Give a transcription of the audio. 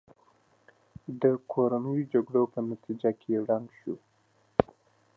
د کورنیو جګړو په نتیجه کې ړنګ شو.